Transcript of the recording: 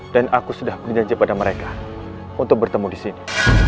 dan aku sudah berjanji pada mereka untuk bertemu di sini